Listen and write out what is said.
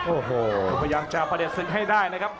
โอ้โหพยายามจะประเด็นศึกให้ได้นะครับ